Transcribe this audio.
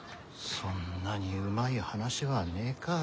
そんなにうまい話はねえか。